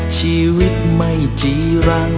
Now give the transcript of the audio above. ชีวิตไม่จีรัง